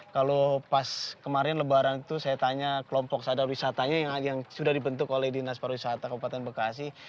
kalau pas kemarin lebaran itu saya tanya kelompok sadar wisatanya yang sudah dibentuk oleh dinas pariwisata kabupaten bekasi